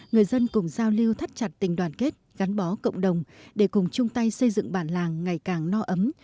người dân cùng giao lưu thắt chặt tình đoàn kết gắn bó cộng đồng để cùng chung tay xây dựng bản làng ngày càng no ấm